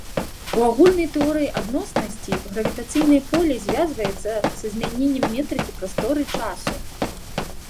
У агульнай тэорыі адноснасці гравітацыйнае поле звязваецца са змяненнем метрыкі прасторы-часу.